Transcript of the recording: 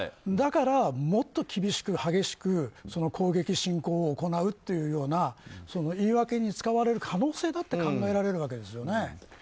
だからもっと厳しく激しく攻撃、侵攻を行うというような言い訳に使われる可能性だって考えられるわけですよね。